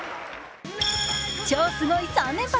超すごい３連発。